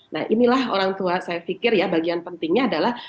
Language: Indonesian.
nah inilah orang tua saya pikir ya bagian pentingnya adalah